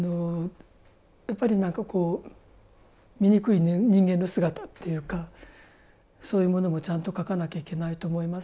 やっぱり、なんかこう醜い人間の姿っていうかそういうものも、ちゃんと書かなきゃいけないと思いますね。